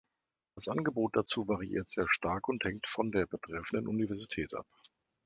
Das Angebot dazu variiert sehr stark und hängt von der betreffenden Universität ab.